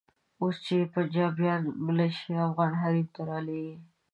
اوس چې پنجابیان ملیشې افغان حریم ته رالېږي.